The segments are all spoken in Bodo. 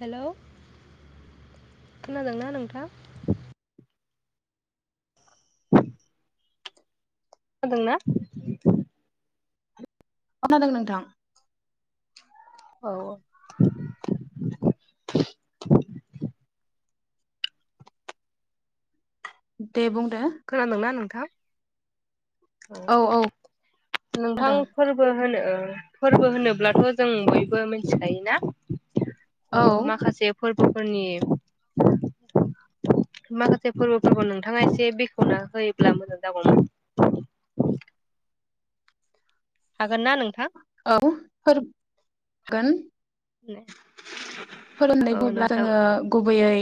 हेलौ खोनादोंना नोंथां खोनादोंना [unintelligible] नोंथां औ देबं [unintelligible] खोनादोंना नों [unintelligible] थां औ औ नोंथां खोनादों फोरबो होनो फोरबो होनोब्लाथ' जों बयबो मिथिखायोना औ अ माखासे [unintelligible] [unintelligible] फोरनि माखासे फोरबोफोरखौ नोंथाङा एसे बेखेवना होयोब्ला मोजां जागौमोन हागोन ना नोंथां गोन [unintelligible] फोरोंनाय औ बब्ला नोंथां जोङो गुबैयै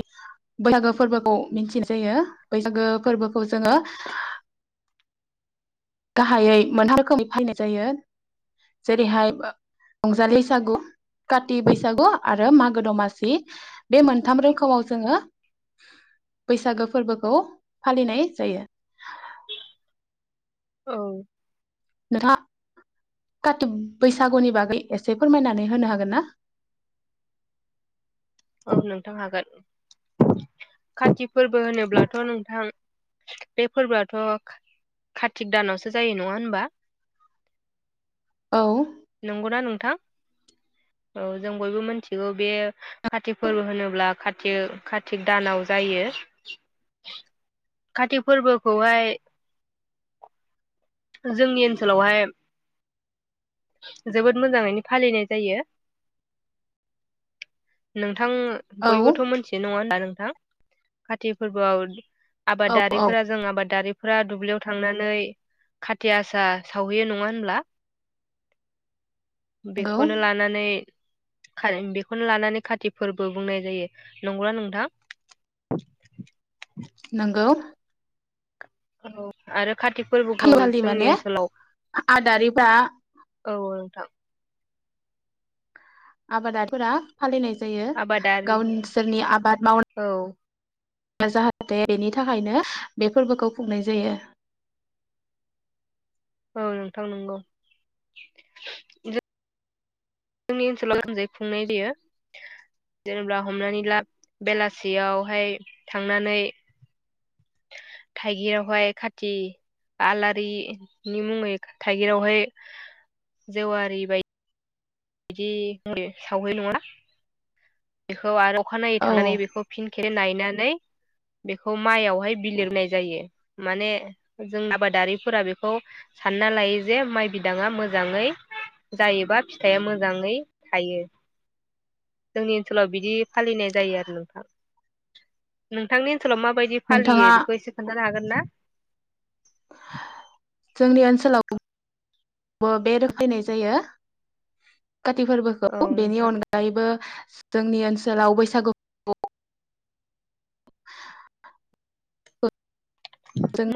बैसागो फोरबोखौ मिथिनाय जायो बैसागो फोरबोखौ जोङो गाहायै मोनथाम रोखोमै फालिनाय जायो जेरैहाय रंजालि बैसागु काति बैसागु आरो मागो दमासि बे मोनथाम रोखोमाव जोङो बैसागो फोरबोखौ फालिनाय जायो औ नोंथाङा काति बैसागुनि बागै एसे फोरमायनानै होनो हागोन ना औ नोंथां हागोन काति फोरबो होनोब्लाथ' नोंथां बे फोरबोआथ' कारतिक दानावसो जायो नङा होनबा औ नंगौना नोंथां औ जों बयबो मिथिगौ बे काति फोरबो होनोब्ला काति कारतिक दानाव जायो काति फोरबोखौहाय जोंनि ओनसोलावहाय जोबोद मोजाङैनो फालिनाय जायो नोंथां औ बयबोथ' मोनथि नङा होना नों था काति फोरबोआव औ औ आबादारिफोरा जों आबादारि फ्रा दुब्लियाव थांनानै खाथि आसा सावहैयो नङा होनब्ला नंगौ बेखौनो लानानै खा बेखौनो लानानै खाति फोरबो बुंनाय जायो नंगौला नोंथां नोंगौ औ आरो काति फोरबोखौ खालि जोंनि माने ओनसोलाव आदारिफ्रा औ नोंथां आबादारिफोरा फालिनाय जायो आबादारि गावसोरनि आबाद औ मावनानै जाहाथे बेनि थाखायनो बे फोरबोखौ खुंनाय जायो औ नोंथां नंगौ जोंनि ओनसोलाव आंजाय खुंनाय जायो जेनेबा हमनानै लाब बेलासियावहाय थांनानै थाइगिरावहाय खाथि आलारिनि मुङै थाइगिरावहाय जेवारि बायदि बिदि है सावहै नङा बेखौ आरो अखाखानायनायै औ थांनानै बेखौ फिन गख नायनानै बेखौ माइयाव बेवहाय बिलिरनाय जायो माने जों आबादारिफोरा बेखौ सानना लायो जे माइ बिदाङा मोजाङै जायोबा फिथाइया मोजाङै थायो जोंनि ओनसोलाव बिदि फालिनाय जायो आरो नोंथां नोंथांनि ओनसोलाव माबायदि फालियो नोंथाङा बेखौ एसे खोन्थानो हागोन ना जोंनि ओनसोलावबो बे रोफैनाय जायो काति फोरबोखौ औ बेनि नोंथां अनगायैबो जोंनि ओनसोलाव बैसागु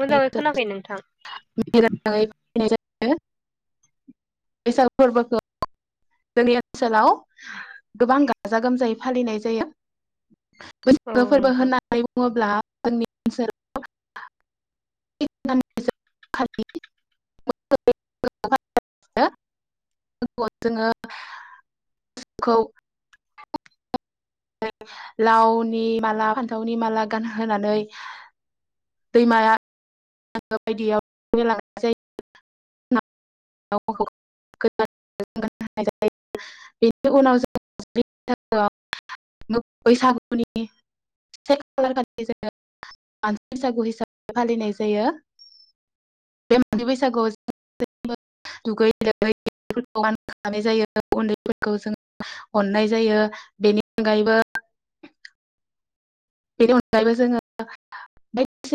मोजाङै खोनाखै नोंथां हो बेैसाग फोरबोखौ जोंनि ओनसोलाव गोबां गाजा गोमजायै फालिनाय जायो औ बैसागो फोरबो नोंथां। होननानै बुङोब्ला जोंनि ओनसोलाव [unintelligible] लावनि माला फान्थावनि माला गानहोनानै दैमाया [unintelligible] [unintelligible] बेनि अनगायैबो जोङो बायदिसिना